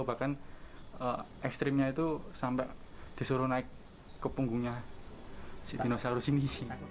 bahkan ekstrimnya itu sampai disuruh naik ke punggungnya si dinosaurus ini